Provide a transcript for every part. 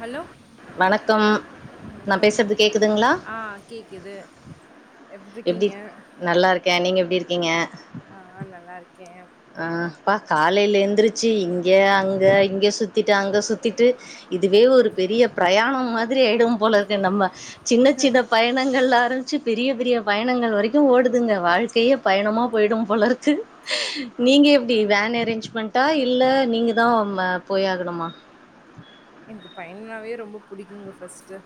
Hello வணக்கம் நா வணக்கம் பேசறது கேக்குதுங்ளா ஆ கேக்குது எப்டி நல்லாருக்கே நீங்க எப்டி இருக்கீங்க ஆ நல்லாருக்கே ஆ ப்பா காலையில எந்திரிச்சி இங்க அங்க இங்க சுத்திட்டு அங்க சுத்திட்டு இதுவே ஒரு பெரிய பிரயாணம் மாதிரி ஆயிடு போல இருக்கு நம்ம சின்ன சின்ன பய ணங்கள்ல ஆரம்பிச்சி பெரிய பெரிய பயணங்கள் வரைக்கு ஓடுதுங்க வாழ்க்கையே பயணமா போய்டு போலருக்கு நீங்க எப்டி அப்டிங்களா வேன் அரேஞ்ச்மண்டா இல்ல நீங்க தா ம போயாகனுமா எனக்கு பயணாவே ரொம்ப புடிக்குங்க ஃபர்ஸ்ட்டு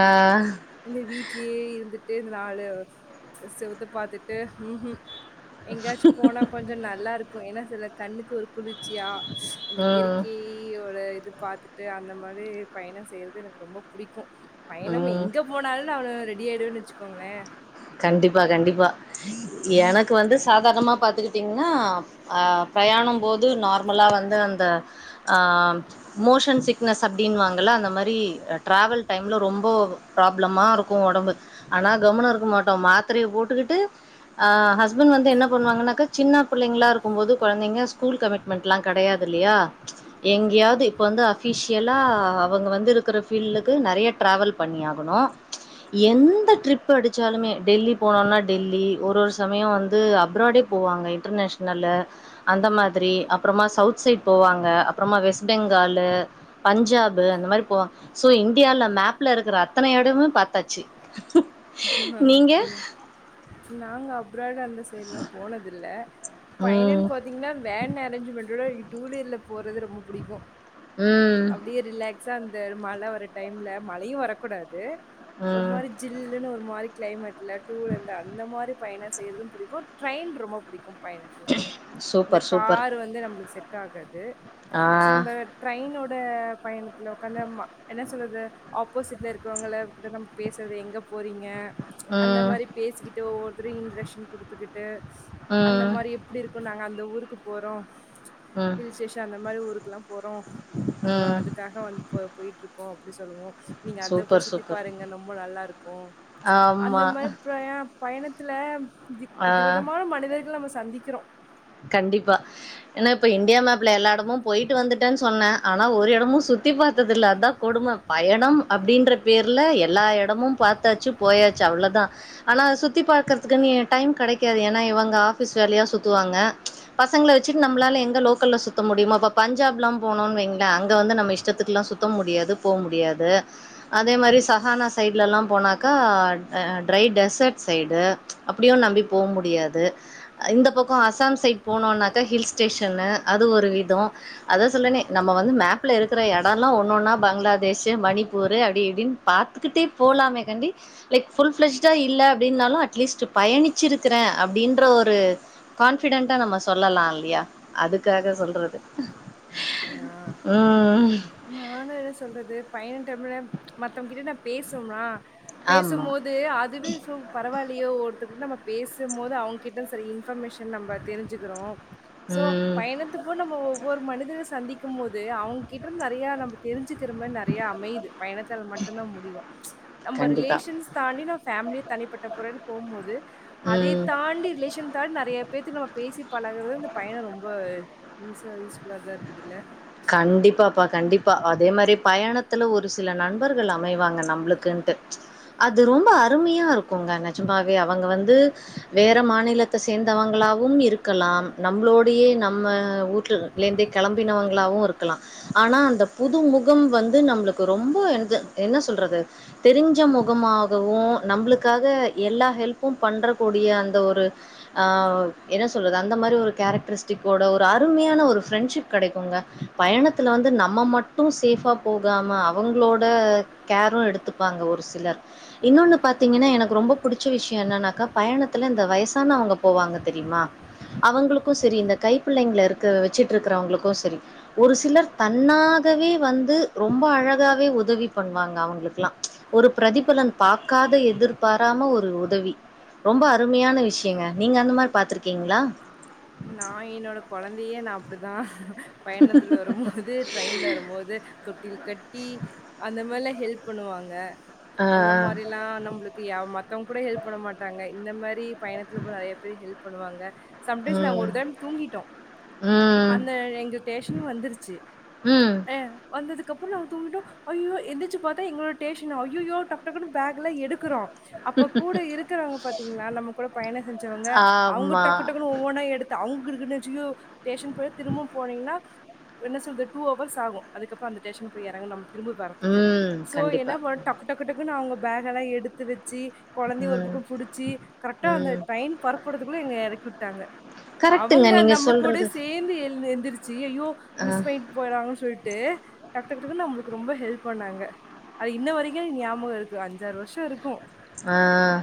ம் ஆஹ் இந்த வீட்லேயே இருந்துட்டு இந்த நாலு செவுத்த பாத்துட்டு ம் ம் எங்காய்ச்சு போனா கொஞ்ச நல்லா இருக்கு ஏனா சில கண்ணுக்கு ஒரு குளிர்ச்சியா அந்த உம் இயற்கையோட இது பாத்து ட்டு அந்த மாரி பயண செய்றது எனக்கு ரொம்ப புடிக்கு பயணம் உம் எங்க போனாலு நானு ரெடி ஆய்டுவேன் வெச்சுகோங்களே கண்டிப்பா கண்டிப்பா எனக்கு வந்து சாதாரணமா பாத்துக்கிட்டீங்னா ஆ பிரயாணம் போது நார்மலா வந்து அந்த ஆ மோஷன் சிக்னஸ் அப்டின்வாங்கள்ள அந்த மாரி ட்ராவல் டைம்ல ரொம்போ ப்ராப்ளமா இருக்கு ஒடம்பு ஆனா கம்முனு இருக்க மாட்டோ மாத்ரய போட்டுக்கிட்டு ஆ ஹஸ்பண் வந்து என்ன பண்வாங்கனாக்கா சின்ன பிள்ளைங்களா இருக்கு போது கொழந்தைங்க ஸ்கூல் கமி ட்மெண்ட்லா கெடையாது இல்லயா எங்கயாவது இப்போ வந்து அஃபிஷியலா அவுங்க வந்து இருக்குற ஃபீல்லுக்கு நெறய டிராவல் பண்ணி ஆகனு எந்த ட்ரிப் அடிச்சாலுமே டெல்லி போனோனா டெல்லி ஒரு ஒரு ஒரு சமயோ வந்து அப்ராடே போவாங்க இன்டர்நேஷ்னல்லு அந்த மாதிரி அப்றமா சவுத் சைட் போவாங்க அப்றமா வெஸ்ட் பெங்காலு பஞ்சாபு அந்த மாரி போவா சோ இந்தியால மேப்ல இருக்கற அத்தன எடமு பாத்தாச்சி அப்டியே நாங்க அப்ராட் அந்த சைட்ல்லா போனதில்ல பயணன் ம் பாத்தீங்னா வேன் அரேஞ்ச் மெண்ட்டோட டூ வீலர்ல போறது ரொம்ப புடிக்கு ம் அப்டியே ரிலாக்ஸா அந்த மழ வர டைம்ல மழையு வரக்கூடாது ஒரு ம் மாரி ஜில்லுன்னு ஒரு மாரி கிளைமேட் இல்ல டூ வீலர்ல அந்த மாரி பயண செய்றதும் புடிக்கு ட்ரெயின் ரொம்ப புடிக்கு பயணத்துல இந்த சூப்பர் சூப்பர் காரு வந்து நம்புளுக்கு செட் ஆகாது ஆ சோ அந்த ட்ரெயினோட பயணத்தில உக்காந்தும்மா என்ன சொல்றது ஆப்போசிட்ல இருக்கிறவங்கள கிட்ட நம் பேசறது எங்கப் போறீங்க அந்த ம் மாரி பேசிக்கிட்டு ஒவ்வொருத்தரு இன்ரக்ஷன் குடுத்துக்கிட்டு அந்த ம் மாரி எப்டிருக்குன்னாங்க அந்த ஊருக்கு போறோ ம் ஹில் ஸ்டேஷன் அந்த மாரி ஊருக்லா போறோ அங்க ம் அதுக்காக வந் போ போய்ட்ருக்கோ அப்டி சொல்லுவோ நீங்க அத போய் சூப்பர் சுத்தி சூப்பர் பாருங்க நொம்ப நல்லாரு க்கு அந்த ஆமா மாரி பிரயா பயணத்துல வித் ஆ விதவெதமான மனிதர்கள நம்ம சந்திக்கிறோ கண்டிப்பா எனா இப்ப இண்டியா மேப்ல எல்லா எடமு போயிட்டு வந்துட்டே சொன்ன ஆனா ஒரு எடமு சுத் தி பாத்ததில்ல அதா கொடும பயணம் அப்டின்ற பேர்ல எல்லா எடமு பாத்தாச்சு போயாச்சு அவ்ளதா ஆனா சுத்தி பாகற்துக்கு இனி டைம் கெடைக்காது ஏனா இவங்க ஆஃபிஸ் வேலயா சுத்துவாங்க பசங்ள வச்சிட் நம்பிளால எங்க லோக்கல்ல சுத்த முடியுமா இப்ப பஞ்சாப்லா போனோன் வைங்ள அங்க வந்து நம்ம இஷ்டத்துக்கிலா சுத் த்த முடியாது போ முடியாது அதே மாரி சஹானா சைட்லலா போனாகா ஆ ட்ரை டெஸட் சைடு அப்டியு நம்பி போம் முடியாது இந்த பக்கோ அஸாம்ஸ் சைட் போனோனாக்க ஹில் ஸ்டேஷன்னு அது ஒரு வித அத சொல்லறனே நம்ம வந்து மேப்ல இருக்கிற எடொல்லா ஒன்னொன்னா பங்ளாதேஷு மணிப்பூரு அப்டி இப்டின் பாத்துக்கிட்டே போலாமே கண்டி லைக் ஃபுல் ஃபிளஜ்டா இல்ல அப்டின்னாலு அட்லீஸ்டு பயணிச்சிருக்கிறே அப்டின்ற ஒரு ஃபிடன்டா நம்ம சொல்லலால்லியா அதுக்காக ஆ சொல்றது ம் நானு என்ன சொல்றது பயண டைம்ல மத்தவ்ங் கிட்ட நா பேசுவோம்னா பேசு ஆமா போத் து அதுவே சு பரவால்லியோ ஒருத்தங்கிட் நம்ம பேசுமோது அவுங்கிட்ட சரி இன் ஃபர்மேஷன் நம்ப தெரிஞ்சுக்குறோ சோ ம் பயணத்தப்போ நம்மோ ஒவ்வொரு மனிதர்க சந்திக்குமோது அவுங்கிட்ட நெறய நம்ப தெரிஞ்சுக்குற மர் நெறயா அமைய்து பயணத்தால மட்டுந்தா முடியு நம்ப கண்டிப்பா ரிலேஷன்ஸ் தாண்டி நா ஃபேம்லிய தனிப்பட்ட புறன் போமோது அதயு ம் தாண்டி ரிலேஷன் தாண் நெறய பேத்து நம்ம பேசி பழகர்து இந்த பயண ரொம்ப யூஸா யூஸ்ஃபுல்லா தா இருக்குதுல்ல கண்டிப்பாப்பா கண்டிப்பா அதே மாரி பயணத்துல ஒரு சில நண்பர்கள் அமைவாங்க நம்புளுக்குன் அது ரொம்ப அருமியா இருக்குங்க நெஜுமாவே அவுங்க வந்து வேற மாநிலத்த சேந்தவங்களாவு இருக்கலா நம்ப்ளோடியே நம்ம ஊர்ல லேந்தே கெளம்பினவங்களாவு இருக்கிலா ஆனா அந்த புது முகம் வந்து நம்புளுக்கு ரொம்ப என் து என்ன சொல்றது தெரிஞ்ச முகமாகவு நம்புளுக்காக எல்லா ஹெல்ப்பு பண்றக்கூடிய அந்த ஒரு ஆ என்ன சொல்றது அந்த மாரி ஒரு கேரக்டரிஸ்டிக்கோட ஒரு அருமியான ஒரு ஃபிரண்ஷிப் கெடைக்குங்க பயணத்துல வந்து நம்ம மட்டு சேஃபா போகாம அவுங்ளோட கேரு எடுத்துப்பாங்க ஒர் சிலர் இன்னோனு பாத்தீங்கன்ன எனக்கு ரொம்ப புடிச்ச விஷ்ய என்னனாக்கா பயணத்துல இந்த வயசானவங்க போவாங்க தெரியுமா அவங்களுக்கு செரி இந்த கைப்புள்ளங்ளருக்க வெச்சிட்ருக்கிறவங்களுக்கு செரி ஒரு சிலர் தன்னாகவே வந்து ரொம்ப அழகாவே உதவி பண்வாங்க அவுங்ளுக்லா ஒரு பிரதிபலன் பாக்காத எதிர்பாராம ஒரு உதவி ரொம்ப அருமியான விஷ்யங்க நீங்க அந்த மார் பாத்துருக்கீங்ளா நா என்னோட கொழந்தியே நா அப்டிதா பயணத்துல வருமோது ட்ரெயின்ல வருமோது தொட்டில் கட்டி அந்தமெர்ல ஹெல்ப் பண்ணுவாங்க ஆ, அந்த மாரில்லா நம்ளுக் கியா மத்தவங் கூட ஹெல்ப் பண்ண மாட்டாங்க இந்த மாரி பயணத்துல போர நெறையா பேரு ஹெல்ப் பண்ணுவாங்க சம் ஆ. நாங் ம். ஒரு டைம் தூங்கிட்டோ ம். அந்த எங்க டேஷன்னு வந்துருச்சி ம். ஆ வந்ததுக்கப்புறோ நாங் தூங்கிட்டோ ஐயோ எந்திச்சு பாத்தா எங்ளோட டேஷ்னு ஐய்யோ டக் டக்குனு பேக்குல எடுக்குறோ அப்போ கூட இருக்குறவங்க பாத்தீங்ளா நம்மோ கூட பயண செஞ்சவ்ங்க அவ்ங்கு ஆமா. டக்கு டக்குனு ஒவ்வொன்னா எடுத்து அவங்க இருக்குணாசியு ஸ்டேஷன் போய் திருப்பவு போனீங்கனா என்ன சொல்றது டூ அவர்ஸ் ஆகு அதுக்கப்றோ அந்த ஸ்டேஷன் போய் இறங்க நம்ம திரும்ப வரதுக்கு ம். சோ என்ன கண்டிப்பா. பண் டக் டக்கு டக்குன்னு அவங்க பேகல்லா எடுத்து வச்சு குழந்தய ஒரு ம். பக்கோ புடிச்சு கரெக்டா அந்த ம். ட்ரைன் பரப்புடுறதுக்குள்ள எங்கள எறக்கி விட்டாங்க கரெக்ட்டுங்க அவங்க நீங்க நம்ம கூட சொல்றது. சேந்து எழ்ந்து எந்திரு ஜீ ஐஐயோ அ, மிஸ் பண்ணிட்டு போயறாங்கன்னு சொல்ட்டு டக் டக் டக்குன்னு நம்மளுக்கு ரொம்ப ஹெல்ப் பண்ணாங்க அது இன்ன வரைக்கு என் ஞாபக இருக்கு அஞ்சாறு வருஷ இருக்கு ஆ ஆ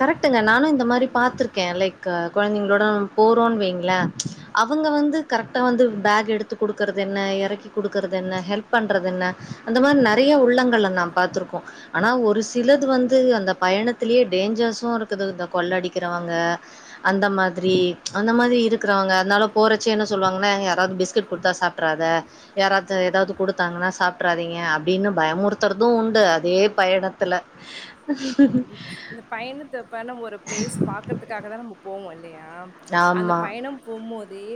கரெக்டங்க நானு இந்த மாரி பாத்துருக்கே லைக் கொழந்தைங்ளோட நம்ம போறோன்னு வைங்கள ம்ச் அவங்க வந்து கரெக்டா வந்து பேக் எடுத்து கொடுக்குறது என்ன இறக்கி கொடுக்குறது என்ன ஹெல்ப் பண்றது என்ன அந்த மாரி நெறையா உள்ளங்கள்ள நாம் பாத்திருக்கோ ஆனா சிலது வந் து அந்த பயணத்திலேயே டேஞ்சர்ஸ் இருக்குது இந்த கொள்ள அடிக்கிறவங்க அந்த மாதிரி ம்ச் அந்த மாதிரி இருக்கிறவங்க அதனால போறச்சு என்ன சொல்லுவாங்க யாராவது பிஸ்கட் கொடுத்தா சாப் ட்ராத யாராவது ஏதாது கொடுத்தாங்கன்னா சாப்டறாதீங்க அப் டின்னு பயமுறுத்துறது உண்டு அதே பயணத்துல கண்டிப்பா இந்த பயணத்தப்ப நம்ம ஒரு ப்ளேஸ் பாக்குறதுக்காக தா நம்ம போவோ இல்லையா அந்த ஆமா பயணம் போம்போதே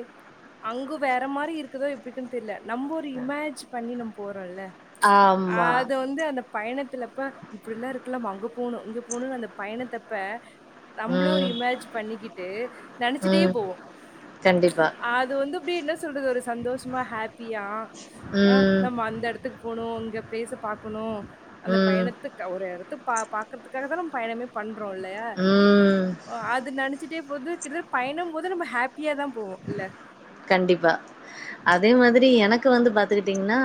அங்கு வேற மாரி இருக்குதோ இருக்குன் தெர்ல நம்ம ஒரு இமேஜ் பண்ணி நம் போறோல்ல ம்ச் ஆமா அதது வந்து அந்த பயணத்துலப்ப இப்டி எல்லா இருக்கல நம்ம அங்க போணு இங்க போணுனு அந்த பயணத்தப்ப நம்மளே ஒரு ம் இமேஜ் பண்ணிக்கிட்டு நெனைச்சிட்டே ம் போவோ கண்டிப்பா ம்ச் அது வந்து அப்டி என்ன சொல்றது ஒரு சந்தோஷமா ஹாப்பியா அ ம் நம்ம அந்த இடத்துக்கு போனு இங்க ப்ளேஷ பாக்கணு அந்த ம் பயணத்துக்கு ஒரு இடத்து பா பாக்கறதுக்காக தா நாம் பயணமே பண்றோ இல்லையா ம் அது நெனைச்சிட்டே போது கிட்ட பயணம் போது நம்ம ஹேப் பியா தா போவு இல்ல கண்டிப்பா அதே மாதிரி எனக்கு வந்து பாத்துகிட்டீங்கன்னா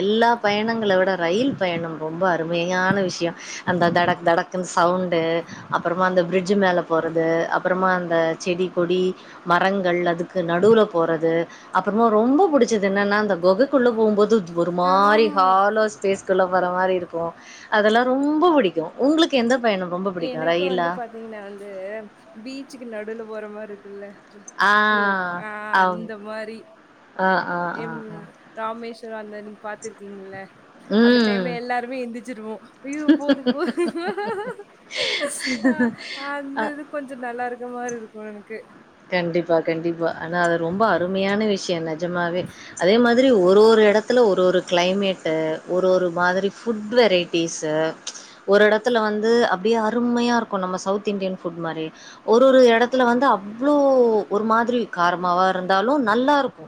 எல்லா பயணங்கள விட ரயில் பயணம் ரொம்ப அருமையான விஷய அந்த தடக் தடக்குனு சவுண்டு அப்புறமா அந்த பிரிட்ஜ் மேல போறது அப்புறமா அந்த செடி கொடி மரங்கள் அ துக்கு நடுவுல போறது அப்புறமா ரொம்ப புடிச்சது என்னன்னா அந்த கொகைக்குள்ள போம்போது ஒரு மாரி ஆமா. ஹாலோ ஸ்பேஸ்குள்ள போற மாரி இருக் கும் அதெல்லா ரொம்ப பிடிக்கும் உங்களுக்கு எந்த பயண எனக்கு வந்து பாத்தீங்கன்னா வந்து பீச்சுக்கு நடுவுல போற மாரி இருக்குள்ள ஆ. ஹலோ ஆ ஆம். அந்த மாரி ஆ, ஆ, ஆ, எம் ஆ. ராமேஸ்வர அந்த நீங்க பாத்துருக்கீங்கல்ல அந்த ம். டைம்ல எல்லாருமே எந்திச்சிருவோ ஐயோ போது போ அ அந்த இது கொஞ்ச நல்லா இருக்க மாரி இருக்கு எனக்கு கண்டிப்பா கண்டிப்பா ஆனா அது ரொம்ப அருமையான விஷய என்ன நெஜமாவே அதே மாதிரி ஒரு ஒரு இடத்து த்துல ஒரு ஒரு க்ளைமேட்டு ஒரு ஒரு மாதிரி ஃபுட் வெரைட்டிஸு ஒரு எடத்துல வந்து அப்டியே அருமையாருக்கு நம்ம சவுத் இண்டியன் ஃபுட் மாரி ஒர ஒரு எடத்துல வந்து அவ்ளோ ஒரு மாதிரி காரமாவாருந்தாலு நல்லாருக்கு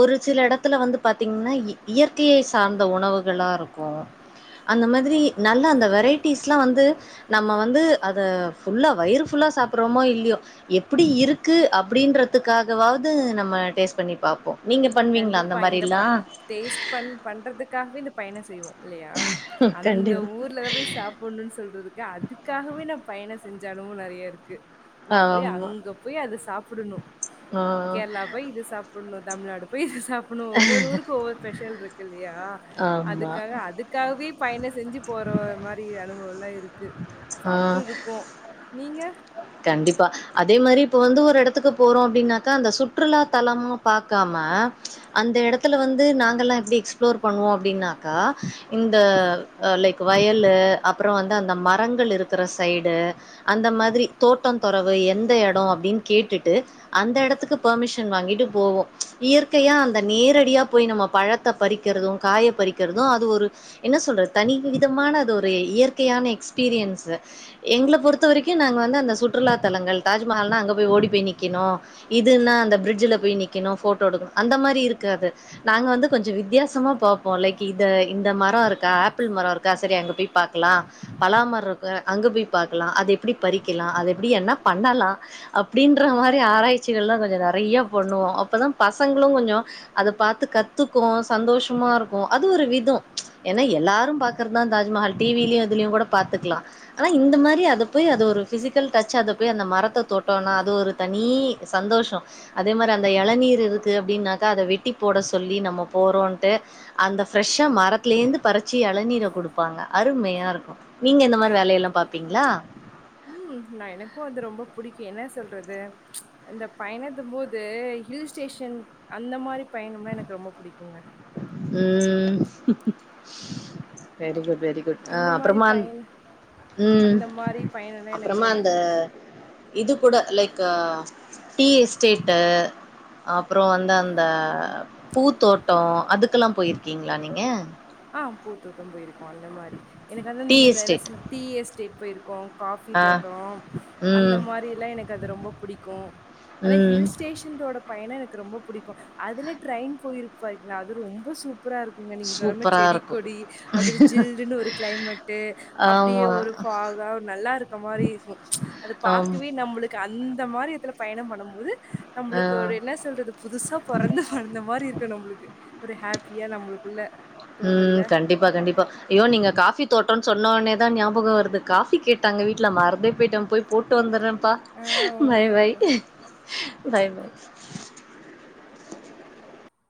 ஒரு சில எடத்துல வந்து பாத்தீங்ன்னா இயற்கையை சார்ந்த உணவுகளாருக்கு அந்த மாதிரி நல்ல அந்த வெரைட்டிஸ்லா வந்து நம்ம வந்து அத ஃபுல்லா வயிறுஃபுல்லா சாப்புட்றோமோ இல்லியோ புடி இருக்கு அப்டின்றத்துக்காகவாவ்து நம்ம டேஸ் பண்ணிபாப்போ கண்டிப்பா இந்த ப்ப டேஸ்ட் பண் பண்றதுக்காஹ்வே இந்த பயண செய்வோ இல்லியா அந்த கண்டிப்பா ஊர்ல போய் சாப்பின்ணுன் சொல்றது ங்க அதுக்காகவே நா பயண செஞ்சாலு நெறையருக்கு நா போய் ஆமா அங்க போய் அத சாப்புடுணு ஆ கேர்ளா போய் இது சாப்புன்ணு தமிழ்நாடு போயிர் சாப்பின்ணு ஒவ்வொரு ஊருக்கு ஒவ்வொரு ஸ்பெஷல்ருக்கு இல்லியா ஆமா அதுக்காக அதுக்காகவே பயண செஞ்சு போற மாரி அனுபவெல்லா இருக்கு ஆ சாப்ட்டுருக்கு நீங்க கண்டிப்பா அதே மாரி இப்ப வந்து ஒரு எடத்துக்கு போறோ அப்டின்னாக்கா அந்த சுற்றுலா தலமு பாக்காம அந்த எடத்துல வந்து நாங்கல்லா எப்டி எக்ஸ்பிளோர் பண்ணுவோ அப்டின்னாக்கா இந்த அ லைக் வயலு அப்பற வந்து அந்த மரங்கள் இருக்கிற சைடு அந்த மாதிரி தோட்ட தொறவு எந்த எடொ அப்டின் கேட்டுட்டு அந்த டத்துக்கு பர்மிஷன் வாங்கிட்டு போவோ இயற்கையா அந்த நேரடியா போய் நம்ம பழத் த்த பறிக்கிறது காய பறிக்கிறது அது ஒரு என்ன சொல்றது தனி விதமான அது ஒரு இயற்கையான எக்ஸ்பீரியன்ஸ்ஸு எங்க்ள பொறுத்த வரைக்கு நாங்வந்து அந்த சுற்றுலா தலங்கள் தாஜ்மஹால்னா அங்க போய் ஓடி போய் நிக்கிணு இதுன்னா அந்த பிரிட்ஜுல போய் நிக்குணு ஃபோட்டோ எடுக்குணு அந்த மாரி இருக்காது நாங்க வந்து கொஞ்சொ வித்யாசமா பாப்போ லைக் இத இந்த மரொருக்கா ஆப்பிள் மரொருக்கா சரி அங்க போய் பார்க்குலா பலாமரக்க அங்க போய் பாக்கலா அது எப்புடி பறிக்குலா அது எப்டி என்ன பண்ணலா அப்படின்ற மாரி ஆராய்ச்சிகள்லா கொஞ்சொ நெறைய பண்ணுவோ அப்பதா பசங்க ங்ளு கொஞ்சொ அத பாத்து கத்துக்கூ சந்தோஷமாருக்கு அது ஒரு விதொ என்னா எல்லாரும் பாக்குறதுதா தாஜ்மஹால் டிவிலயு இதுலியு கூட பாத்துக்லா அனா இந்த மாதிரி அத போய் அது ஒரு ஃபிசிக் டச்சத போய் அந்த மரத்த தொட்டன்னா அது ஒரு தனி சந்தோஷ அதே மாரி அந்த இளநீர் இருக்கு அப்டின்னாக்கா அத வெட்டி போட சொல்லி நம்ம போறோன்ட்டு அந்த ஃப்ரெஷ்ஷா மரத்லேந்து பறிச்சி எளநீரை கொடுப்பாங்க அருமையாருக்கு நீங்க இந்த மாதிரி வேலயெல்லா பாப்பீங்களா ம் நா எனக்கூ அது ரொம்ப புடிக்கு என்னா சொல்றது இந்த பயணத்துபோது ஹில் ஸ்டேஷன் அந்த மாரி பயணம்னா எனக்கு ரொம்ப புடிக்குங்க உம் வெரிகுட் வெரி குக் அந்த ம் மாரி அப்றமா அந் பயண ம் அந்த மாரி பயணம்னா எனக்கு அப்புறமா ரொம்ப அந்த பு இது கூட லைக்கு டீ‌எஸ்டேட்டு அப்றோ வந்து அந்த பூத்தோட்டொ அதுக்கெல்லா போயிர்க்கீங்களா நீங்க ஆ பூத்தோட்டம் போய்ருக்கோ அந்த மாரி எனக்கு வந்து டீ அந்த எஸ்டேட் எலசு டீ எஸ்டேட் போயிருக்கோ காஃபி ஆ தோட்டோ அந்த ம் மாரியில்லா எனக்கு அது ரொம்ப புடிக்கூ அனா ம் ஹில் ஸ்டேஷன்டோட பயணொ எனக் ரொம்ப புடிக்குஅதுல ட்ரெயின் போயிருக் பாருங்கள அது ரொம்ப சூப்பரா இருக்குங்க நீங்க சொன்ன மரி சூப்பரா இருக்கு செடிக்கொடி அப்டி ஜில்லுன்னு ஒரு கிளைமேட்டு் அப்டியே ஆமா ஒரு ஃபாகா நல்லா இருக்க மாரி இருக்கு அது ஆம் பாக்கவே நம்ளுக்கு அந்த மாரி இத்துல பயணம் பண்ணும் போது ஆ நம்ளுக்கு ஒரு என்ன சொல்றது புதுசா பொறந்து வளந்த மாரி இருக்கு நம்ளுக்கு ஒரு ஹாப்பியா நம்ளுக்குள்ள ம் கண்டிப் பா கண்டிப்பா ஐயோ நீங்க காஃபி தோட்டோன் சொன்னோனே தா ஞாபகம் வருது காஃபி கேட்டாங்க வீட்ல மறந்தே போய்ட்ட போய் போட்டு வந்தர்றன்ப்பா ஆ பை பை ஓகேப்பா பாய் பாய்